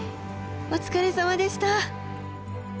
お疲れさまでした。